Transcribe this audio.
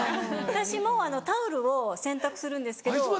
私もタオルを洗濯するんですけど。